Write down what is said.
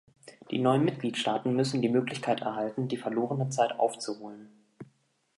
Die neuen Mitgliedstaaten müssen die Möglichkeit erhalten, die verlorene Zeit aufzuholen.